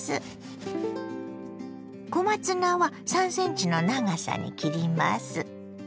小松菜は３ｃｍの長さに切ります。